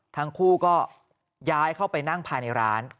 ทั้งคู่ก็ย้ายเข้าไปนั่งภายในร้าน